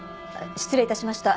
失礼いたしました。